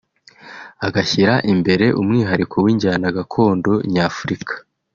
agashyira imbere umwihariko w’injyana gakondo nyafurika